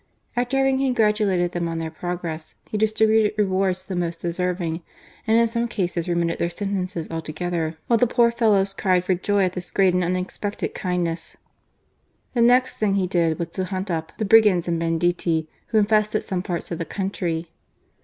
After having congratulated them on their progress, he distributed rewards to the most deserving, and in some cases remitted their sentences altogether, while the poor fellows cried for joy at this great and unexpected kindness. The next thing he did was to hunt up the brigands and banditti who infested some parts of the country.